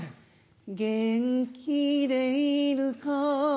元気でいるか